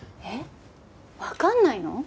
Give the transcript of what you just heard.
えっ？わかんないの？